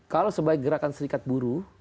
kalau sebagai gerakan serikat buruh